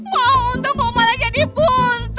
mau untung mau malah jadi buntung sih